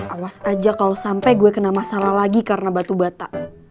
awas aja kalau sampai gue kena masalah lagi karena batu bata